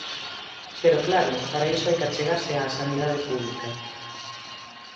Pero, claro, para iso hai que achegarse á sanidade pública.